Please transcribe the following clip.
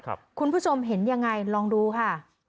คุณผู้ชมเห็นยังไงลองดูค่ะ